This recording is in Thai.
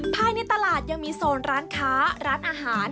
ภายในตลาดยังมีโซนร้านค้าร้านอาหาร